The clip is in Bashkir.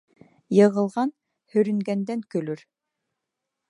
Йығылған һөрөнгәндән көлөр